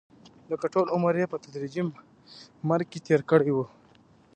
لکه ټول عمر یې په تدریجي مرګ کې تېر کړی وي.